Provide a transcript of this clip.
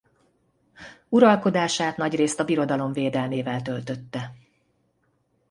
Uralkodását nagyrészt a birodalom védelmével töltötte.